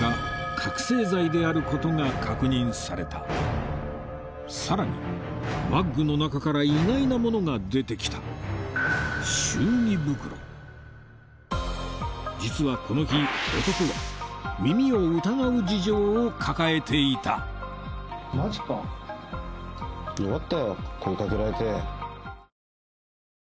覚醒剤であることが確認されたさらにバッグの中から意外なものが出てきた祝儀袋実はこの日男は耳を疑う事情を抱えていたあれ？